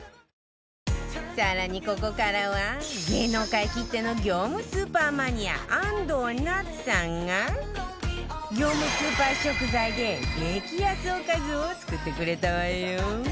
更にここからは芸能界きっての業務スーパーマニア安藤なつさんが業務スーパー食材で激安おかずを作ってくれたわよ！